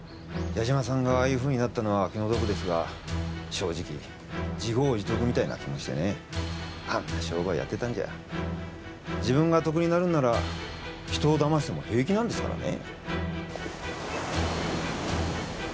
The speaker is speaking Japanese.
矢島さんがああいうふうになったのは気の毒ですが正直自業自得みたいな気もしてねあんな商売やってたんじゃ自分が得になるんなら人をだましても平気なんですからね